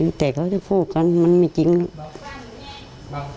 เฮ้ยแต่เขาพ่อกันมันไม่จริงหรอก